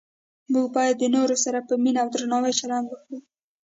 موږ باید د نورو سره په مینه او درناوي چلند وکړو